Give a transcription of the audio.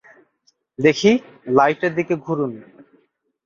দেখি, লাইটের দিকে ঘুরুন।